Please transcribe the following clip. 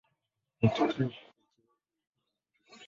Mwitikio kwa uchezaji ulikuwa mzuri.